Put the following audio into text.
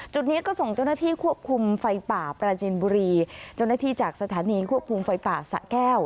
จุดนี้ก็ส่งเจ้าหน้าที่ควบคุมไฟป่าปราจินบุรีเจ้าหน้าที่จากสถานีควบคุมไฟป่าสะแก้ว